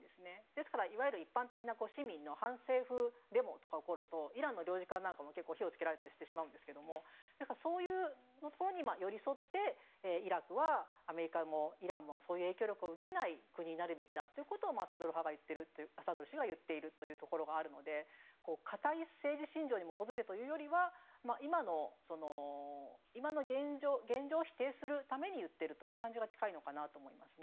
ですから一般的な市民の反政府デモとか起こるとイランの領事館なんかも火をつけられたりしてしまうんですがそういうところに寄り添ってイラクは、アメリカもイランもそういう影響力を受けない国になるべきだということをサドル師が言っているところがあるので固い政治信条に基づいてというよりは今の現状を否定するために言っているという感じが近いのかなと思います。